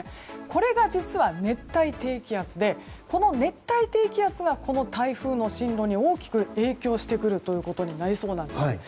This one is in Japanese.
これが実は熱帯低気圧でこの熱帯低気圧がこの台風の進路に大きく影響してくることになりそうなんです。